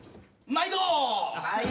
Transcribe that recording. まいど。